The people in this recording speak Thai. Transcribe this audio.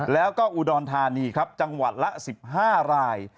แล้วก็อุดรธานีครับจังหวัดละ๑๕ราย